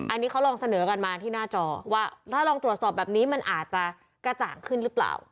อันนี้เขาลองเสนอกันมาที่หน้าจอว่าถ้าลองตรวจสอบแบบนี้มันอาจจะกระจ่างขึ้นหรือเปล่า